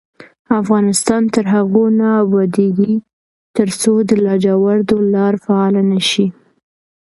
افغانستان تر هغو نه ابادیږي، ترڅو د لاجوردو لار فعاله نشي.